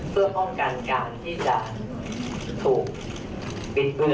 เพื่อป้องกันการที่จะถูกบิดเบือ